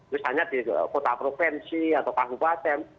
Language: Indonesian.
misalnya di kota provinsi atau kabupaten